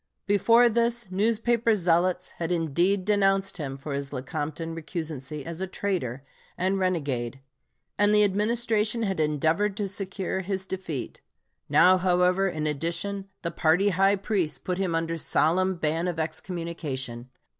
Before this, newspaper zealots had indeed denounced him for his Lecompton recusancy as a traitor and renegade, and the Administration had endeavored to secure his defeat; now, however, in addition, the party high priests put him under solemn ban of excommunication.